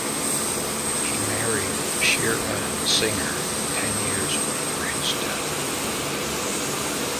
He married Shira Singer ten years before his death.